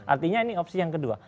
artinya ini opsi yang kedua